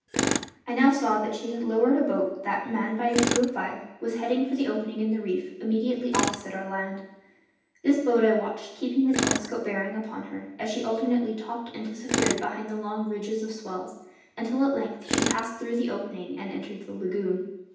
I now saw that she had lowered a boat that, manned by a crew of five, was heading for the opening in the reef immediately opposite our island. This boat I watched, keeping the telescope bearing upon her as she alternately topped and disappeared behind the long ridges of swell, until at length she passed through the opening and entered the lagoon.